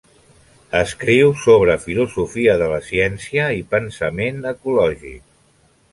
Escriu sobre filosofia de la ciència i pensament ecològic.